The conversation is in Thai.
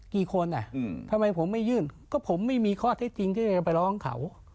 กี่คนอ่ะทำไมผมไม่ยื่นก็ผมไม่มีข้อเท็จจริงที่จะไปร้องเขา